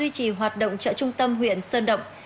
chợ trung tâm huyện sơn động